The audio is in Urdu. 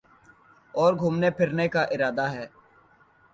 اور گھومنے پھرنے کا ارادہ ہے